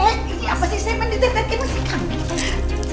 eh ini apa sih saya mendedetekin masih